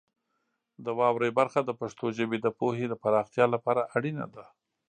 د واورئ برخه د پښتو ژبې د پوهې د پراختیا لپاره اړینه ده.